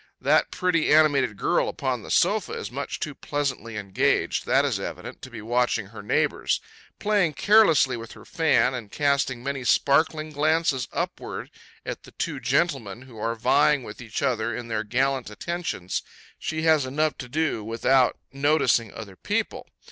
That pretty, animated girl upon the sofa is much too pleasantly engaged, that is evident, to be watching her neighbors. Playing carelessly with her fan, and casting many sparkling glances upward at the two gentlemen who are vying with each other in their gallant attentions, she has enough to do without noticing other people.